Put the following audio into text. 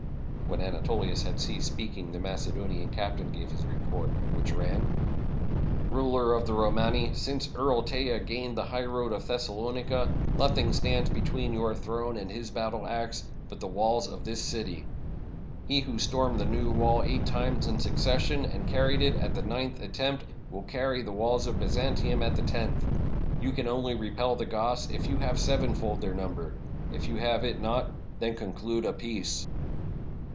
When Anatolius had ceased speaking, the Macedo nian captain gave his report, which ran: — SS8 PEACE WITH THE GOTHS OR WAR? "Ruler of the Romani — since Earl Teja gained the highroad of Thessalonica, nothing stands between your throne and his battle axe but the walls of this city. He who stormed the 'New Wall' eight times in succession, and carried it at the ninth attempt, will carry the walls of Byzantium at the tenth. You can only repel the Goths if you have sevenfold their number. If you have it not, then conclude a peace."